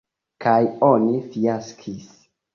Kaj oni fiaskis.